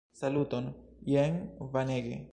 Saluton! Jen Vanege!